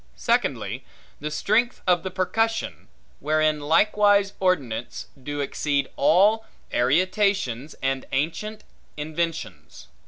Secondly, the strength of the percussion; wherein likewise ordnance do exceed all arietations and ancient inventions.